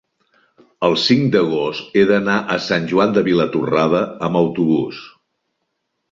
el cinc d'agost he d'anar a Sant Joan de Vilatorrada amb autobús.